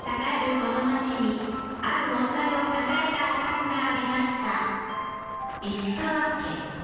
この街にある問題を抱えたお宅がありました